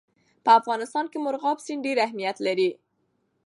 په افغانستان کې مورغاب سیند ډېر زیات اهمیت لري.